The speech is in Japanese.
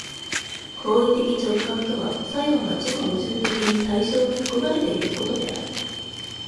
行為的直観とは作用が自己矛盾的に対象に含まれていることである。